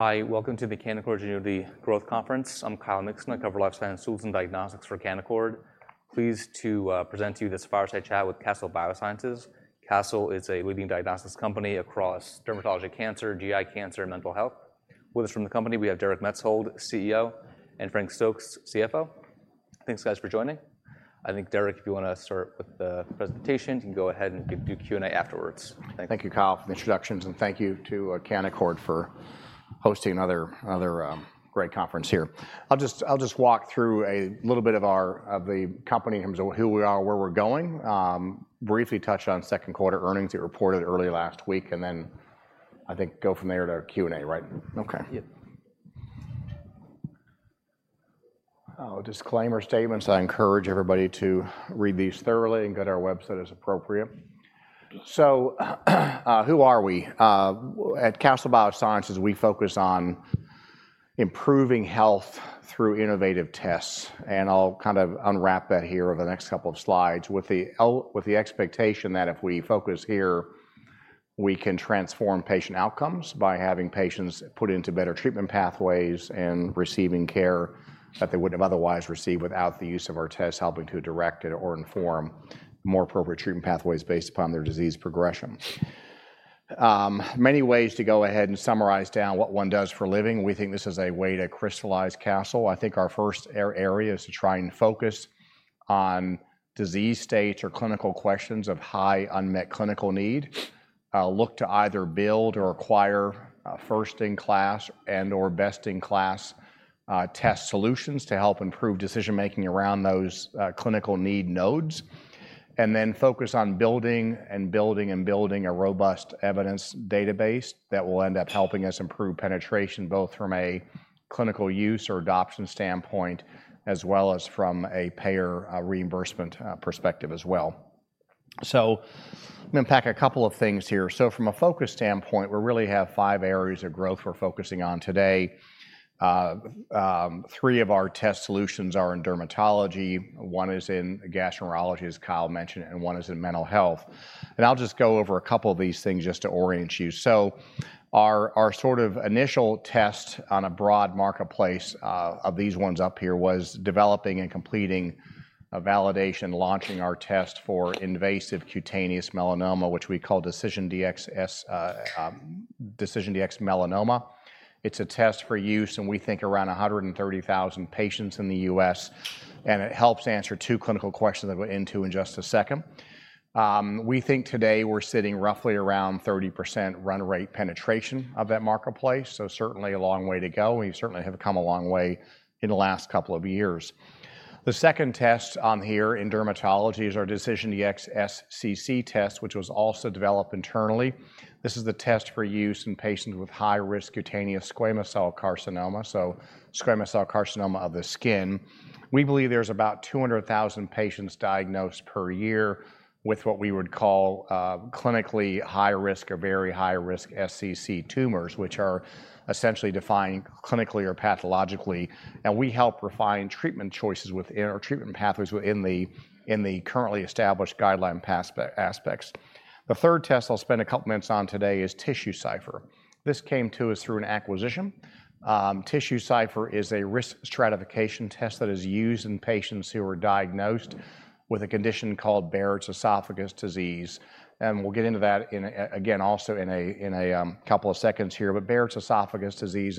Hi, welcome to the Canaccord Genuity Growth Conference. I'm Kyle Mikson, cover lifestyle tools and diagnostics for Canaccord. Pleased to present to you this fireside chat with Castle Biosciences. Castle is a leading diagnostics company across dermatology, cancer, GI cancer, and mental health. With us from the company, we have Derek Maetzold, CEO, and Frank Stokes, CFO. Thanks, guys, for joining. I think, Derek, if you wanna start with the presentation, you can go ahead and do Q&A afterwards. Thank you, Kyle, for the introductions, and thank you to Canaccord for hosting another great conference here. I'll just walk through a little bit of the company, in terms of who we are, where we're going. Briefly touch on second quarter earnings that we reported early last week, and then I think go from there to Q&A, right? Okay. Yeah. Disclaimer statements. I encourage everybody to read these thoroughly and go to our website as appropriate. So, who are we? At Castle Biosciences, we focus on improving health through innovative tests, and I'll kind of unwrap that here over the next couple of slides with the expectation that if we focus here, we can transform patient outcomes by having patients put into better treatment pathways and receiving care that they wouldn't have otherwise received without the use of our tests, helping to direct it or inform more appropriate treatment pathways based upon their disease progression. Many ways to go ahead and summarize down what one does for a living. We think this is a way to crystallize Castle. I think our first area is to try and focus on disease states or clinical questions of high unmet clinical need, look to either build or acquire, first-in-class and/or best-in-class, test solutions to help improve decision-making around those, clinical need nodes, and then focus on building and building and building a robust evidence database that will end up helping us improve penetration, both from a clinical use or adoption standpoint, as well as from a payer, reimbursement, perspective as well. So I'm gonna unpack a couple of things here. So from a focus standpoint, we really have five areas of growth we're focusing on today. Three of our test solutions are in dermatology, one is in gastroenterology, as Kyle mentioned, and one is in mental health. I'll just go over a couple of these things just to orient you. So our sort of initial test on a broad marketplace of these ones up here was developing and completing a validation, launching our test for invasive cutaneous melanoma, which we call DecisionDx-Melanoma. It's a test for use, and we think around 130,000 patients in the U.S., and it helps answer two clinical questions that we'll go into in just a second. We think today we're sitting roughly around 30% run rate penetration of that marketplace, so certainly a long way to go. We certainly have come a long way in the last couple of years. The second test on here in dermatology is our DecisionDx-SCC test, which was also developed internally. This is the test for use in patients with high-risk cutaneous squamous cell carcinoma, so squamous cell carcinoma of the skin. We believe there's about 200,000 patients diagnosed per year with what we would call, clinically high risk or very high-risk SCC tumors, which are essentially defined clinically or pathologically, and we help refine treatment choices within our treatment pathways within the currently established guideline aspects. The third test I'll spend a couple minutes on today is TissueCypher. This came to us through an acquisition. TissueCypher is a risk stratification test that is used in patients who are diagnosed with a condition called Barrett's esophagus disease, and we'll get into that in a couple of seconds here. But Barrett's esophagus disease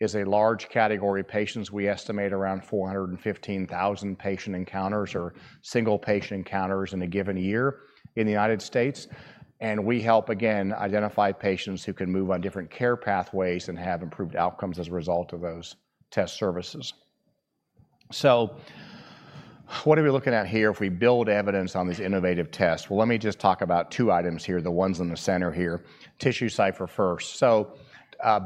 is a large category of patients. We estimate around 415,000 patient encounters or single patient encounters in a given year in the United States, and we help, again, identify patients who can move on different care pathways and have improved outcomes as a result of those test services. So what are we looking at here if we build evidence on these innovative tests? Well, let me just talk about two items here, the ones in the center here. TissueCypher first. So,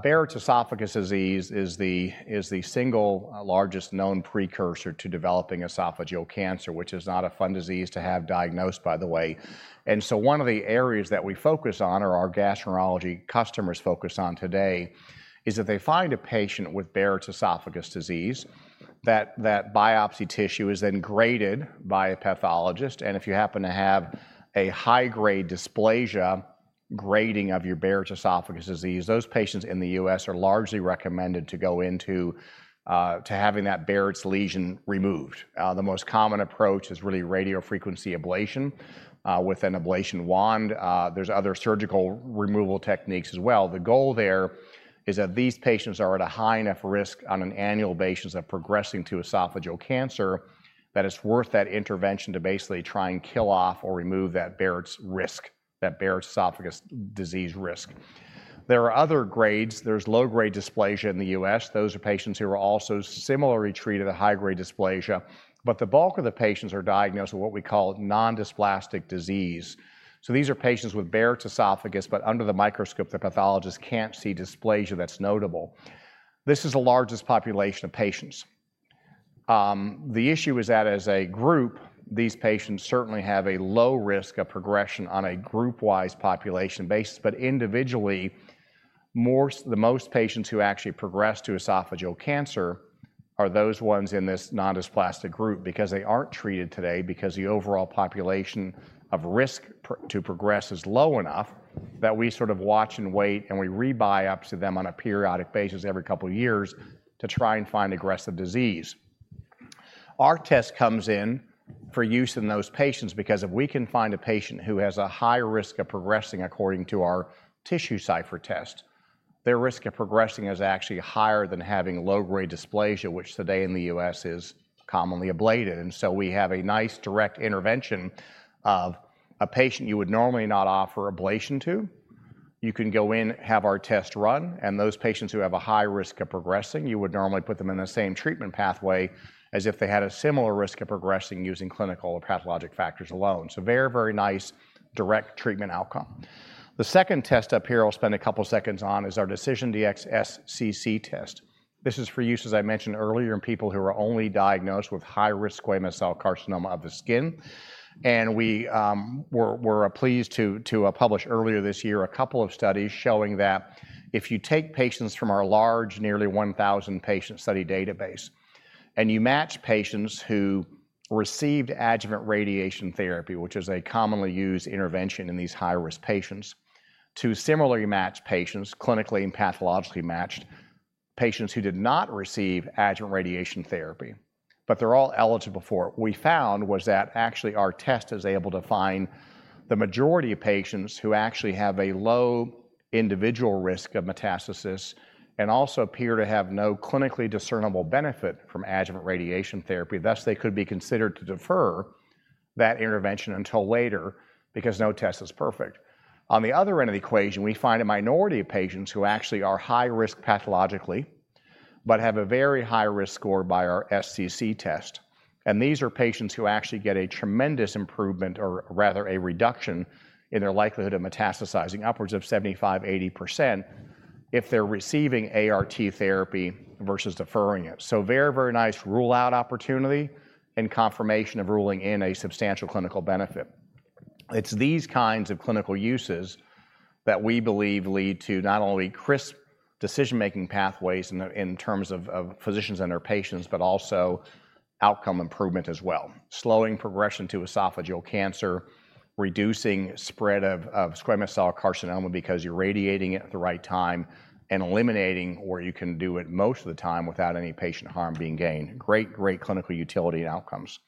Barrett's esophagus disease is the single largest known precursor to developing esophageal cancer, which is not a fun disease to have diagnosed, by the way. And so one of the areas that we focus on, or our gastroenterology customers focus on today, is that they find a patient with Barrett's esophagus disease, that biopsy tissue is then graded by a pathologist, and if you happen to have a high-grade dysplasia grading of your Barrett's esophagus disease, those patients in the U.S. are largely recommended to go into to having that Barrett's lesion removed. The most common approach is really radiofrequency ablation with an ablation wand. There's other surgical removal techniques as well. The goal there is that these patients are at a high enough risk on an annual basis of progressing to esophageal cancer, that it's worth that intervention to basically try and kill off or remove that Barrett's risk, that Barrett's esophagus disease risk. There are other grades. There's low-grade dysplasia in the U.S. Those are patients who are also similarly treated to high-grade dysplasia, but the bulk of the patients are diagnosed with what we call non-dysplastic disease. So these are patients with Barrett's esophagus, but under the microscope, the pathologist can't see dysplasia that's notable. This is the largest population of patients. The issue is that, as a group, these patients certainly have a low risk of progression on a group-wise population basis, but individually, more, the most patients who actually progress to esophageal cancer are those ones in this non-dysplastic group because they aren't treated today, because the overall population of risk to progress is low enough that we sort of watch and wait, and we re-biopsy them on a periodic basis every couple of years to try and find aggressive disease. Our test comes in for use in those patients, because if we can find a patient who has a high risk of progressing according to our TissueCypher test, their risk of progressing is actually higher than having low-grade dysplasia, which today in the U.S. is commonly ablated. And so we have a nice direct intervention of a patient you would normally not offer ablation to. You can go in, have our test run, and those patients who have a high risk of progressing, you would normally put them in the same treatment pathway as if they had a similar risk of progressing using clinical or pathologic factors alone. So very, very nice direct treatment outcome. The second test up here, I'll spend a couple seconds on, is our DecisionDx-SCC test. This is for use, as I mentioned earlier, in people who are only diagnosed with high-risk squamous cell carcinoma of the skin. We were pleased to publish earlier this year, a couple of studies showing that if you take patients from our large, nearly 1,000 patient study database, and you match patients who received adjuvant radiation therapy, which is a commonly used intervention in these high-risk patients, to similarly match patients, clinically and pathologically matched patients who did not receive adjuvant radiation therapy, but they're all eligible for it. What we found was that actually our test is able to find the majority of patients who actually have a low individual risk of metastasis and also appear to have no clinically discernible benefit from adjuvant radiation therapy. Thus, they could be considered to defer that intervention until later, because no test is perfect. On the other end of the equation, we find a minority of patients who actually are high risk pathologically, but have a very high risk score by our SCC test. These are patients who actually get a tremendous improvement or rather, a reduction in their likelihood of metastasizing, upwards of 75%-80%, if they're receiving ART therapy versus deferring it. Very, very nice rule-out opportunity and confirmation of ruling in a substantial clinical benefit. It's these kinds of clinical uses that we believe lead to not only crisp decision-making pathways in the, in terms of, of physicians and their patients, but also outcome improvement as well. Slowing progression to esophageal cancer, reducing spread of, of squamous cell carcinoma because you're radiating it at the right time and eliminating, or you can do it most of the time without any patient harm being gained. Great, great clinical utility and outcomes.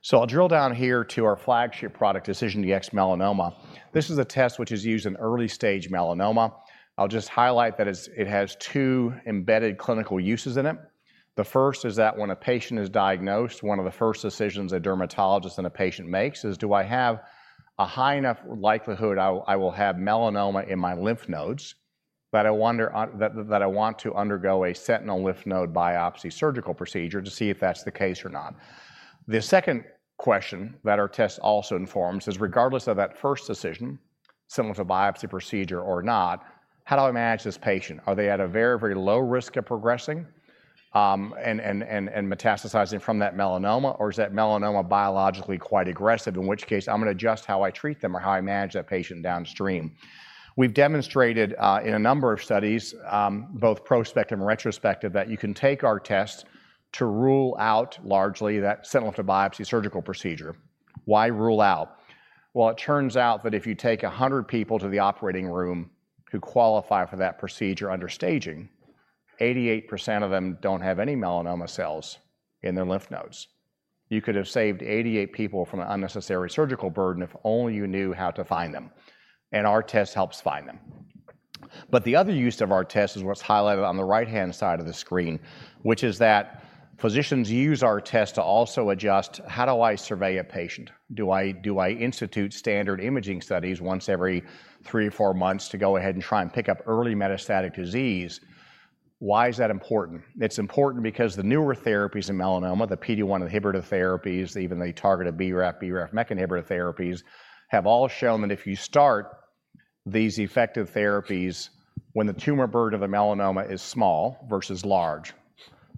So I'll drill down here to our flagship product, DecisionDx-Melanoma. This is a test which is used in early stage melanoma. I'll just highlight that it's, it has two embedded clinical uses in it. The first is that when a patient is diagnosed, one of the first decisions a dermatologist and a patient makes is: Do I have a high enough likelihood I will, I will have melanoma in my lymph nodes that I want to undergo a sentinel lymph node biopsy surgical procedure to see if that's the case or not? The second question that our test also informs is, regardless of that first decision, sentinel node biopsy procedure or not, how do I manage this patient? Are they at a very, very low risk of progressing, and metastasizing from that melanoma, or is that melanoma biologically quite aggressive, in which case I'm gonna adjust how I treat them or how I manage that patient downstream. We've demonstrated, in a number of studies, both prospective and retrospective, that you can take our test to rule out largely that sentinel node biopsy surgical procedure. Why rule out? Well, it turns out that if you take 100 people to the operating room who qualify for that procedure under staging, 88% of them don't have any melanoma cells in their lymph nodes. You could have saved 88 people from an unnecessary surgical burden, if only you knew how to find them, and our test helps find them. But the other use of our test is what's highlighted on the right-hand side of the screen, which is that physicians use our test to also adjust: How do I survey a patient? Do I, do I institute standard imaging studies once every three or four months to go ahead and try and pick up early metastatic disease? Why is that important? It's important because the newer therapies in melanoma, the PD-1 inhibitor therapies, even the targeted BRAF, BRAF MEK inhibitor therapies, have all shown that if you start these effective therapies when the tumor burden of a melanoma is small versus large,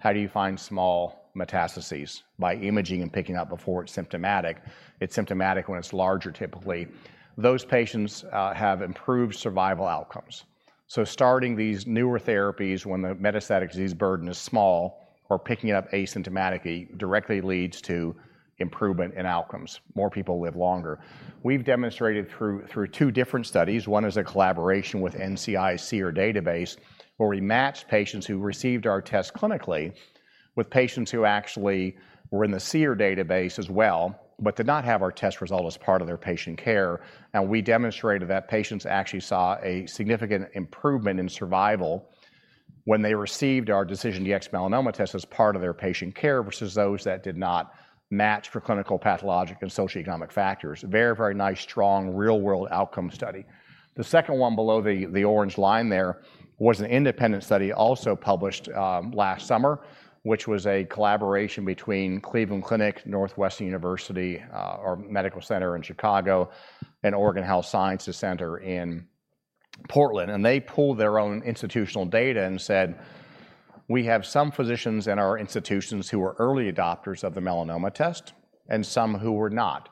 how do you find small metastases? By imaging and picking up before it's symptomatic. It's symptomatic when it's larger, typically. Those patients have improved survival outcomes. So starting these newer therapies when the metastatic disease burden is small or picking it up asymptomatically, directly leads to improvement in outcomes. More people live longer. We've demonstrated through two different studies. One is a collaboration with NCI-SEER database, where we matched patients who received our test clinically with patients who actually were in the SEER database as well, but did not have our test result as part of their patient care. And we demonstrated that patients actually saw a significant improvement in survival when they received our DecisionDx-Melanoma test as part of their patient care, versus those that did not match for clinical, pathologic, and socioeconomic factors. Very, very nice, strong, real-world outcome study. The second one below the orange line there was an independent study, also published last summer, which was a collaboration between Cleveland Clinic, Northwestern University or Medical Center in Chicago, and Oregon Health & Science University in Portland, and they pulled their own institutional data and said, "We have some physicians in our institutions who are early adopters of the melanoma test and some who were not."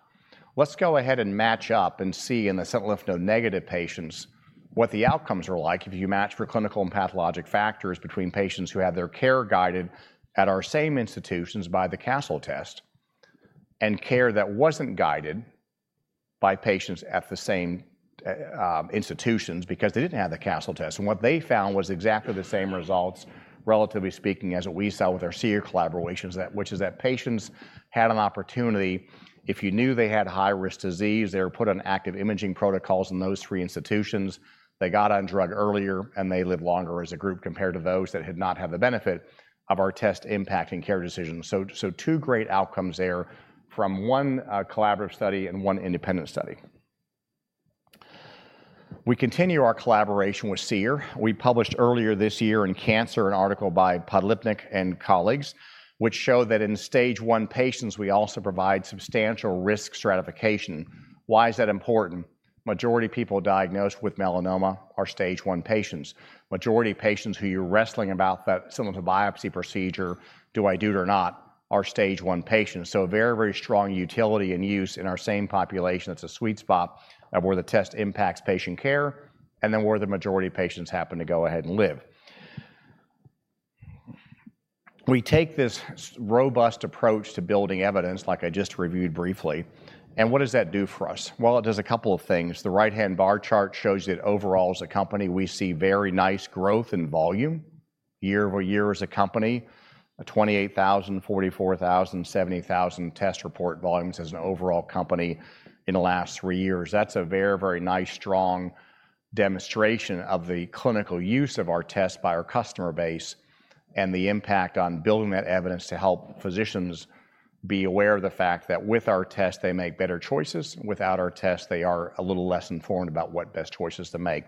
Let's go ahead and match up and see in the sentinel lymph node negative patients, what the outcomes are like if you match for clinical and pathologic factors between patients who had their care guided at our same institutions by the Castle test, and care that wasn't guided by patients at the same institutions because they didn't have the Castle test. What they found was exactly the same results, relatively speaking, as what we saw with our SEER collaborations, that, which is that patients had an opportunity. If you knew they had high-risk disease, they were put on active imaging protocols in those three institutions. They got on drug earlier, and they lived longer as a group, compared to those that had not had the benefit of our test impacting care decisions. So, so two great outcomes there from one, collaborative study and one independent study. We continue our collaboration with SEER. We published earlier this year in Cancer, an article by Podlipnik and colleagues, which show that in Stage one patients, we also provide substantial risk stratification. Why is that important? Majority of people diagnosed with melanoma are Stage one patients. Majority of patients who you're wrestling about that sentinel biopsy procedure, do I do it or not, are Stage one patients. So a very, very strong utility and use in our same population. That's a sweet spot of where the test impacts patient care, and then where the majority of patients happen to go ahead and live. We take this robust approach to building evidence, like I just reviewed briefly, and what does that do for us? Well, it does a couple of things. The right-hand bar chart shows that overall as a company, we see very nice growth in volume, year-over-year as a company. 28,000, 44,000, 70,000 test report volumes as an overall company in the last three years. That's a very, very nice, strong demonstration of the clinical use of our test by our customer base, and the impact on building that evidence to help physicians be aware of the fact that with our test, they make better choices, without our test, they are a little less informed about what best choices to make.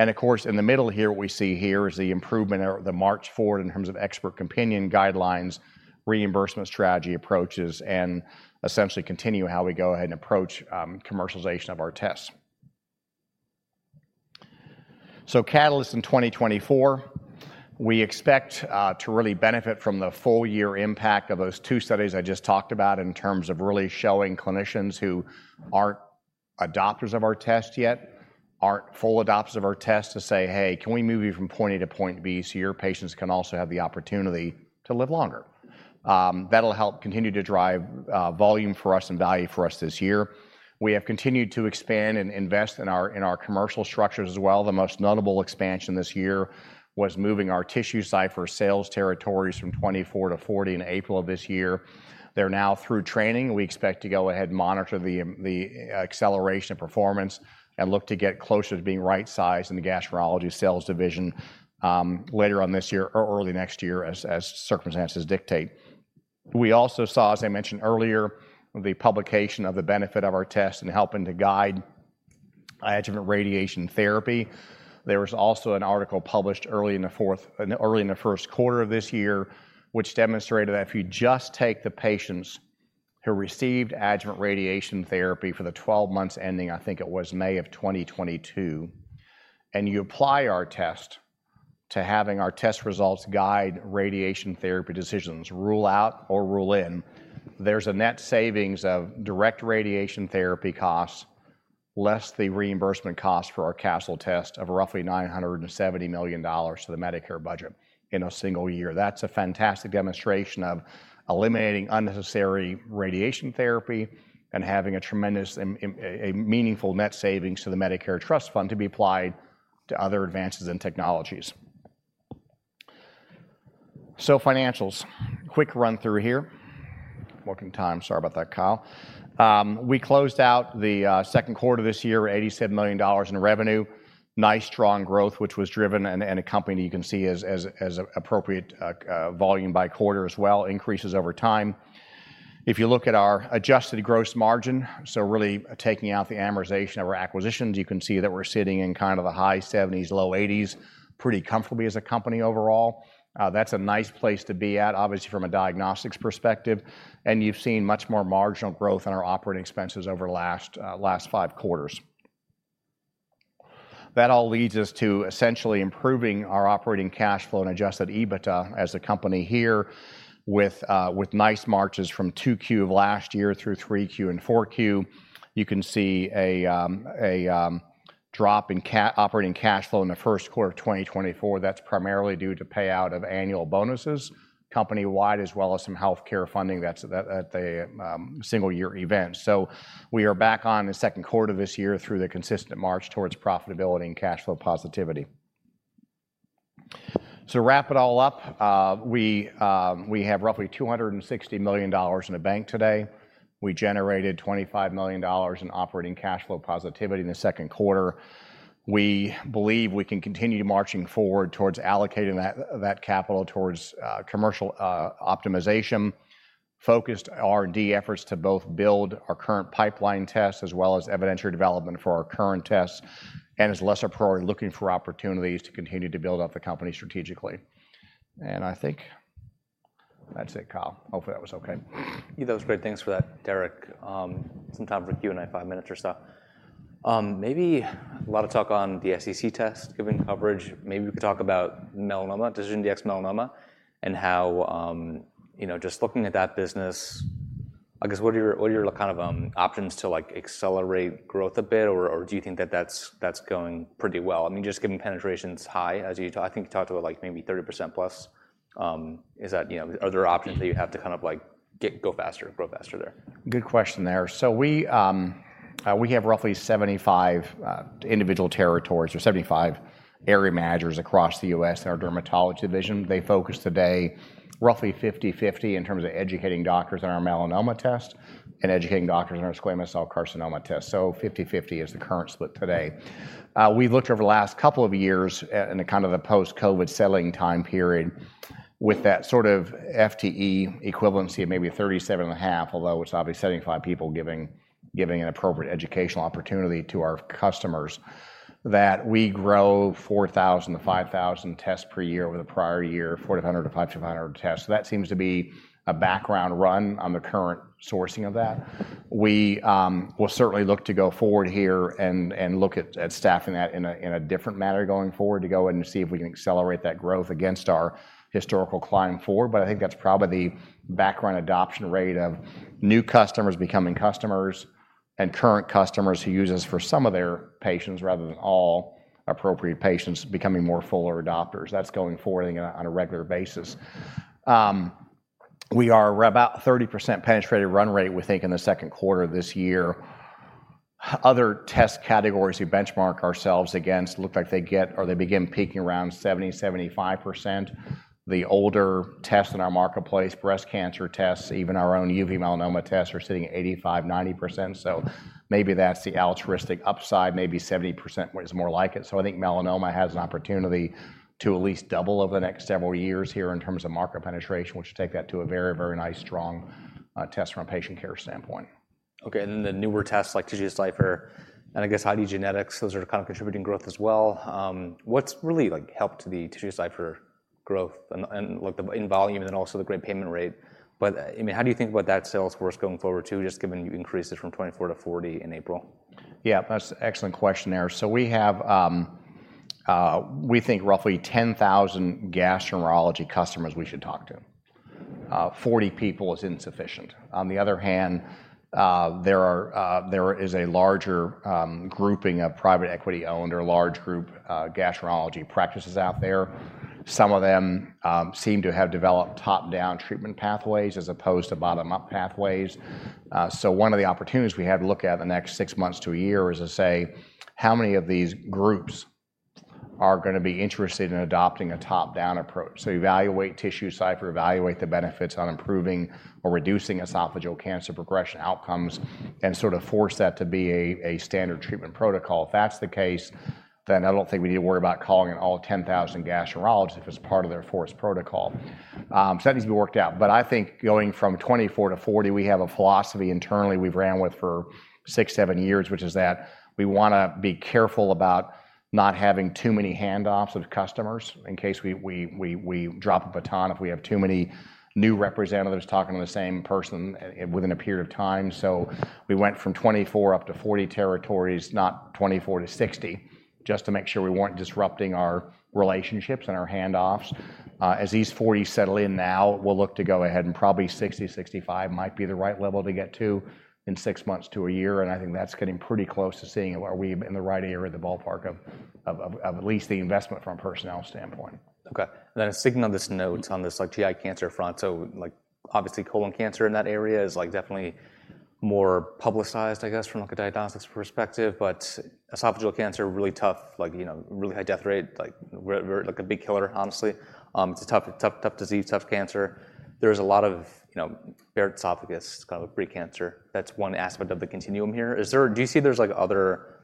And of course, in the middle here, what we see here is the improvement or the march forward in terms of expert opinion, guidelines, reimbursement strategy approaches, and essentially continue how we go ahead and approach commercialization of our tests. So catalysts in 2024. We expect to really benefit from the full year impact of those two studies I just talked about, in terms of really showing clinicians who aren't adopters of our test yet, aren't full adopters of our test, to say, "Hey, can we move you from point A to point B, so your patients can also have the opportunity to live longer?" That'll help continue to drive volume for us and value for us this year. We have continued to expand and invest in our commercial structures as well. The most notable expansion this year was moving our TissueCypher sales territories from 24 to 40 in April of this year. They're now through training. We expect to go ahead and monitor the acceleration of performance and look to get closer to being right-sized in the gastroenterology sales division later on this year or early next year as circumstances dictate. We also saw, as I mentioned earlier, the publication of the benefit of our test in helping to guide adjuvant radiation therapy. There was also an article published early in the fourth-- early in the first quarter of this year, which demonstrated that if you just take the patients who received adjuvant radiation therapy for the 12 months ending, I think it was May of 2022, and you apply our test to having our test results guide radiation therapy decisions, rule out or rule in, there's a net savings of direct radiation therapy costs, less the reimbursement cost for our Castle test of roughly $970 million to the Medicare budget in a single year. That's a fantastic demonstration of eliminating unnecessary radiation therapy and having a tremendous, a meaningful net savings to the Medicare Trust Fund to be applied to other advances in technologies. So financials, quick run-through here. Working time. Sorry about that, Kyle. We closed out the second quarter this year, $87 million in revenue. Nice, strong growth, which was driven and accompanied, you can see as appropriate, volume by quarter as well, increases over time. If you look at our adjusted gross margin, so really taking out the amortization of our acquisitions, you can see that we're sitting in kind of the high 70s, low 80s, pretty comfortably as a company overall. That's a nice place to be at, obviously from a diagnostics perspective, and you've seen much more marginal growth in our operating expenses over the last five quarters. That all leads us to essentially improving our operating cash flow and adjusted EBITDA as a company here with nice marches from 2Q of last year through 3Q and 4Q. You can see a drop in operating cash flow in the first quarter of 2024. That's primarily due to payout of annual bonuses company-wide, as well as some healthcare funding that's at a single year event. So we are back on the second quarter of this year through the consistent march towards profitability and cash flow positivity. To wrap it all up, we have roughly $260 million in the bank today. We generated $25 million in operating cash flow positivity in the second quarter. We believe we can continue marching forward towards allocating that capital towards commercial optimization, focused R&D efforts to both build our current pipeline tests, as well as evidentiary development for our current tests, and as lesser priority, looking for opportunities to continue to build out the company strategically. I think that's it, Kyle. Hopefully, that was okay. Yeah, that was great. Thanks for that, Derek. Some time for Q&A, five minutes or so. Maybe a lot of talk on the SCC test, given coverage. Maybe we could talk about melanoma, DecisionDx-Melanoma, and how, you know, just looking at that business, I guess, what are your, kind of, options to, like, accelerate growth a bit, or do you think that that's going pretty well? I mean, just given penetration's high, as you talked—I think you talked about, like, maybe 30%+. Is that, you know, are there options that you have to kind of like go faster, grow faster there? Good question there. So we have roughly 75 individual territories or 75 area managers across the U.S. in our dermatology division. They focus today, roughly 50/50, in terms of educating doctors on our melanoma test and educating doctors on our squamous cell carcinoma test. So 50/50 is the current split today. We've looked over the last couple of years at, in the kind of the post-COVID selling time period, with that sort of FTE equivalency of maybe 37.5, although it's obviously 75 people giving an appropriate educational opportunity to our customers, that we grow 4,000-5,000 tests per year over the prior year, 4,500-5,000 tests. So that seems to be a background run on the current sourcing of that. We will certainly look to go forward here and look at staffing that in a different manner going forward, to go and see if we can accelerate that growth against our historical climb forward. But I think that's probably the background adoption rate of new customers becoming customers, and current customers who use us for some of their patients, rather than all appropriate patients, becoming more fuller adopters. That's going forward on a regular basis. We are about 30% penetrated run rate, we think, in the second quarter of this year. Other test categories we benchmark ourselves against look like they get, or they begin peaking around 70%-75%. The older tests in our marketplace, breast cancer tests, even our own uveal melanoma tests, are sitting at 85%-90%. So maybe that's the altruistic upside, maybe 70% is more like it. So I think melanoma has an opportunity to at least double over the next several years here in terms of market penetration, which take that to a very, very nice, strong, test from a patient care standpoint. Okay, and then the newer tests, like TissueCypher, and I guess IDgenetix, those are kind of contributing growth as well. What's really, like, helped the TissueCypher growth and, and like the in volume and then also the great payment rate? But, I mean, how do you think about that sales force going forward, too, just given you increases from 24 to 40 in April? Yeah, that's an excellent question there. So we have, we think roughly 10,000 gastroenterology customers we should talk to. Forty people is insufficient. On the other hand, there are, there is a larger, grouping of private equity-owned or large group, gastroenterology practices out there. Some of them seem to have developed top-down treatment pathways as opposed to bottom-up pathways. So one of the opportunities we have to look at in the next six months to a year is to say, how many of these groups are gonna be interested in adopting a top-down approach? So evaluate TissueCypher, evaluate the benefits on improving or reducing esophageal cancer progression outcomes, and sort of force that to be a standard treatment protocol. If that's the case, then I don't think we need to worry about calling all 10,000 gastroenterologists, if it's part of their forced protocol. So that needs to be worked out, but I think going from 24 to 40, we have a philosophy internally we've ran with for 6, 7 years, which is that we wanna be careful about not having too many handoffs of customers in case we drop a baton, if we have too many new representatives talking to the same person within a period of time. So we went from 24 up to 40 territories, not 24 to 60, just to make sure we weren't disrupting our relationships and our handoffs. As these 40 settle in now, we'll look to go ahead and probably 60, 65 might be the right level to get to in 6 months to a year, and I think that's getting pretty close to seeing are we in the right area of the ballpark of at least the investment from a personnel standpoint. Okay. Then sticking on this note, on this, like, GI cancer front, so like, obviously, Colon Cancer in that area is like definitely more publicized, I guess, from like a diagnostics perspective, but Esophageal Cancer, really tough, like, you know, really high death rate, like, like a big killer, honestly. It's a tough, tough, tough disease, tough cancer. There's a lot of, you know, Barrett's Esophagus, kind of pre-cancer. That's one aspect of the continuum here. Is there. Do you see there's, like, other,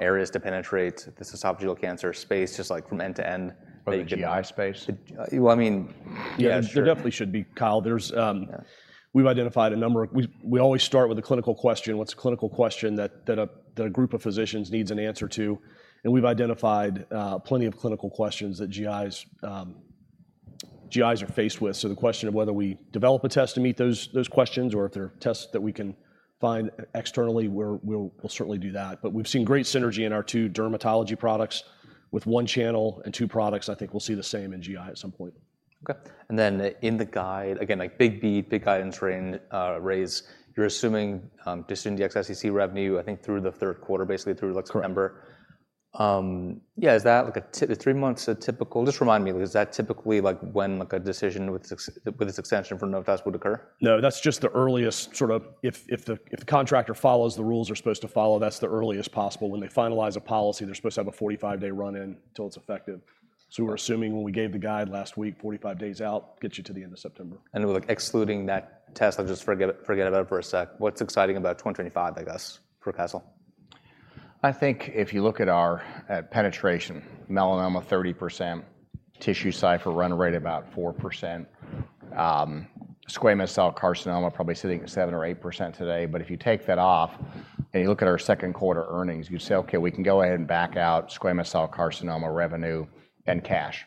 areas to penetrate this Esophageal Cancer space, just like from end to end? Of the GI space? Well, I mean Yeah, there definitely should be, Kyle. There's, Yeah. We've identified a number of... We always start with a clinical question. What's a clinical question that a group of physicians needs an answer to? And we've identified plenty of clinical questions that GIs are faced with. So the question of whether we develop a test to meet those questions, or if there are tests that we can find externally, we'll certainly do that. But we've seen great synergy in our two dermatology products. With one channel and two products, I think we'll see the same in GI at some point. Okay. And then in the guide, again, like big beat, big guidance range, raise, you're assuming just in the DecisionDx-SCC revenue, I think, through the third quarter, basically through, like, September. Correct. Yeah, is that, like, a typical three months? Just remind me, is that typically, like, when, like, a decision with a succession for Novitas would occur? No, that's just the earliest sort of... If the contractor follows the rules they're supposed to follow, that's the earliest possible. When they finalize a policy, they're supposed to have a 45-day run-in until it's effective. So we're assuming when we gave the guide last week, 45 days out gets you to the end of September. Like excluding that test, let's just forget, forget about it for a sec. What's exciting about 2025, I guess, for Castle? I think if you look at our, at penetration, melanoma, 30%, TissueCypher run rate, about 4%. Squamous cell carcinoma, probably sitting at 7% or 8% today, but if you take that off and you look at our second quarter earnings, you'd say: Okay, we can go ahead and back out squamous cell carcinoma revenue and cash.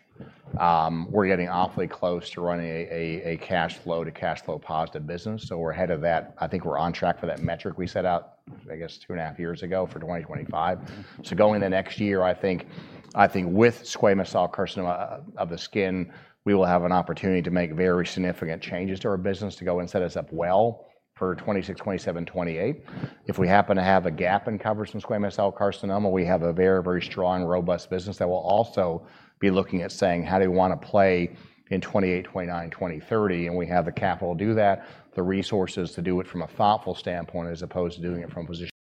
We're getting awfully close to running a cash flow to cash flow positive business, so we're ahead of that. I think we're on track for that metric we set out, I guess, two and a half years ago for 2025. So going the next year, I think, I think with squamous cell carcinoma of the skin, we will have an opportunity to make very significant changes to our business to go and set us up well for 2026, 2027, 2028. If we happen to have a gap in coverage in squamous cell carcinoma, we have a very, very strong, robust business that will also be looking at saying: How do you want to play in 2028, 2029, 2030? And we have the capital to do that, the resources to do it from a thoughtful standpoint, as opposed to doing it from a position-